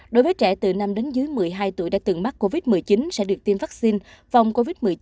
đối với trẻ từ năm đến dưới một mươi hai tuổi đã từng mắc covid một mươi chín sẽ được tiêm vaccine phòng covid một mươi chín